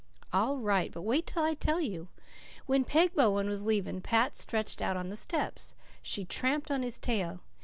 "All right. But wait till I tell you. When Peg Bowen was leaving Pat stretched out on the steps. She tramped on his tail.